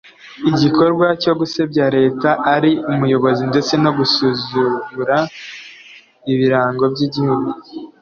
igikorwa cyo gusebya Leta ari umuyobozi ndetse no gusuzugura ibirango by’igihugu